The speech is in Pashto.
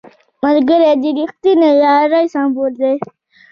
ملګری د رښتینې یارۍ سمبول دی